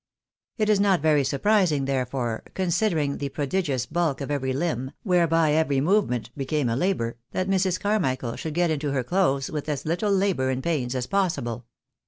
It is not very surprising, therefore, considering the prodigious bulk of every limb, whereby every movement became a labour, that Mrs. Carmichael should get into her clothes with as Uttle labour and pains as possible.